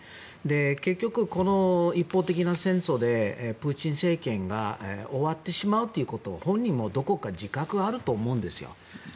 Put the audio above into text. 結局、一方的な戦争でプーチン政権が終わってしまうということを本人もどこか自覚があると思うんですよ。